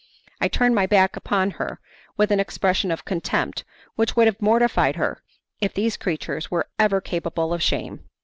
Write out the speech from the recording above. I turned my back upon her with an expression of contempt which would have mortified her, if these creatures were ever capable of shame.